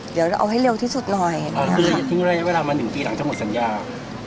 เดี๋ยวเอาให้เร็วที่สุดหน่อยนะครับค่ะคือทิ้งได้เวลามา๑ปีหลังจะหมดสัญญา